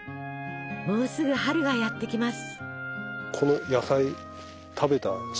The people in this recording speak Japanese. もうすぐ春がやって来ます。